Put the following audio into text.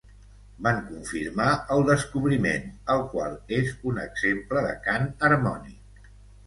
Van confirmar el descobriment, el qual és un exemple de cant harmònic.